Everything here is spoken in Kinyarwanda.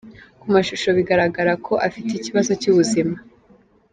Ku mashusho bigaragara ko afite ikibazo cy’ubuzima